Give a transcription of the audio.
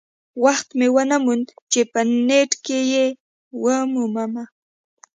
وخت مې ونه موند چې په نیټ کې یې ومومم.